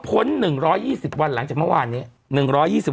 ๑๒๐วันหลังจากเมื่อวานนี้